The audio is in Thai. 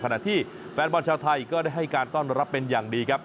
ขณะที่แฟนบอลชาวไทยก็ได้ให้การต้อนรับเป็นอย่างดีครับ